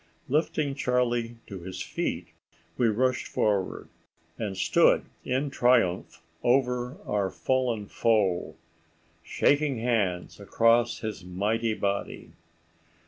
Lifting Charlie to his feet we rushed forward, and stood in triumph over our fallen foe, shaking hands across his mighty body.